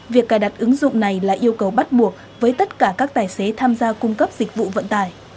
việc cài đặt ứng dụng này là yêu cầu bắt buộc với tất cả các tài xế tham gia cung cấp dịch vụ vận tải